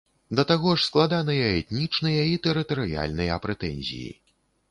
Да таго ж складаныя этнічныя і тэрытарыяльныя прэтэнзіі.